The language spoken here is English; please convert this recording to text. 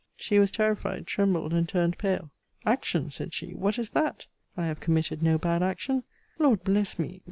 She was terrified, trembled, and turned pale. Action, said she! What is that! I have committed no bad action! Lord bless me!